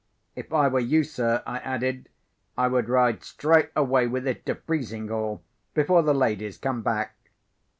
"If I were you, sir," I added, "I would ride straight away with it to Frizinghall before the ladies come back."